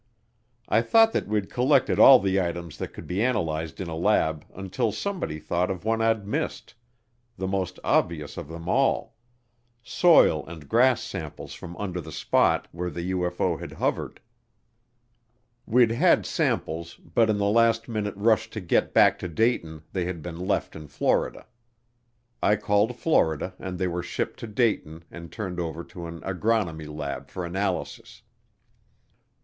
I thought that we'd collected all the items that could be analyzed in a lab until somebody thought of one I'd missed, the most obvious of them all soil and grass samples from under the spot where the UFO had hovered. We'd had samples, but in the last minute rush to get back to Dayton they had been left in Florida. I called Florida and they were shipped to Dayton and turned over to an agronomy lab for analysis.